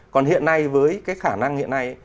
còn hiện nay với cái khả năng hiện nay